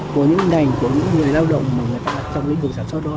của những ngành của những người lao động mà người ta trong lĩnh vực sản xuất đó